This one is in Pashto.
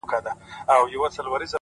• هم باغوان هم به مزدور ورته په قار سو ,